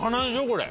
これ。